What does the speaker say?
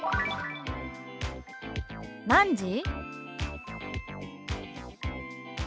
「何時？」。